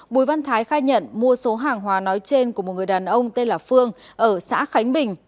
bùi văn thái khai nhận mua số hàng hóa nói trên của một người đàn ông tên là phương ở xã khánh bình